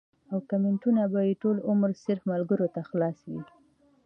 او کمنټونه به ټول عمر صرف ملکرو ته خلاص وي